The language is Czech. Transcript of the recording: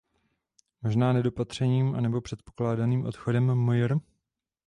Možná nedopatřením a nebo předpokládaným odchodem mjr.